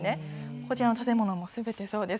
こちらの建物もすべてそうです。